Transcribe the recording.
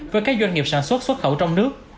với các doanh nghiệp sản xuất xuất khẩu trong nước